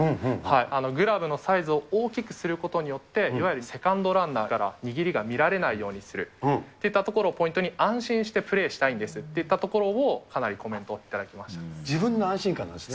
グラブのサイズを大きくすることによって、いわゆるセカンドランナーから握りが見られないようにする、そういったところを安心してプレーしたいんですっていったところを、かなりコメントを頂き自分の安心感ですね。